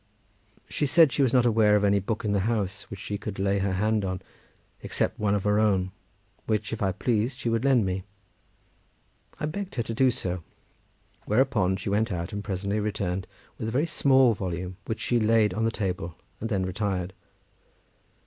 She said she was not aware of any book in the house which she could lay her hand on except one of her own, which if I pleased she would lend me. I begged her to do so. Whereupon she went out, and presently returned with a very small volume, which she laid on the table and then retired.